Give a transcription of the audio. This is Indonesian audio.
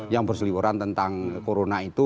yang berseliwaran tentang corona itu